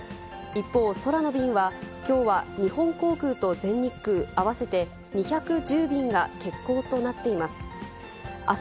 一方、空の便は、きょうは日本航空と全日空、合わせて２１０便が欠航となっています。